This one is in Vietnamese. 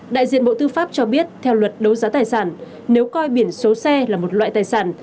đại diện bộ tư pháp cho biết theo luật đấu giá tài sản nếu coi biển số xe là một loại tài sản